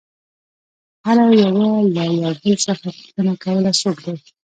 هر يوه له بل څخه پوښتنه كوله څوك دى؟